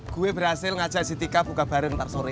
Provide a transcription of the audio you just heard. gue berhasil ngajak si tika buka barang nanti sore